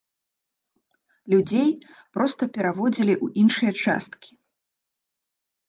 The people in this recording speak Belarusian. Людзей проста пераводзілі ў іншыя часткі.